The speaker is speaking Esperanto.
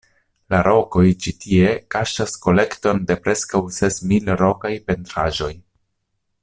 La rokoj ĉi tie kaŝas kolekton de preskaŭ ses mil rokaj pentraĵoj.